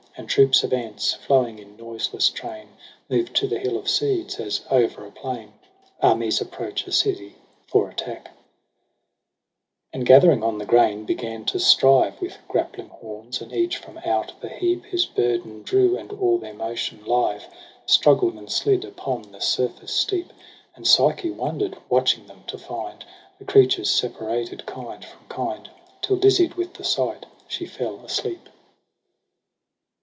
And troops of ants, flowing in noiseless train. Moved to the hill of seeds, as o'er a plain Armies approach a city for attack j 5 And gathering on the grain, began to strive With grappling horns : and each from out the heap His burden drew, and all their motion live Struggled and slid upon the surface steep. And Psyche wonder'd, watching them, to find The creatures separated kind from kind : Till dizzied with the sight she fell asleep.